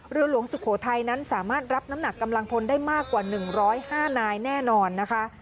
หลวงสุโขทัยนั้นสามารถรับน้ำหนักกำลังพลได้มากกว่า๑๐๕นายแน่นอนนะคะ